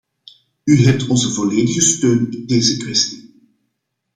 U hebt onze volledige steun in deze kwestie.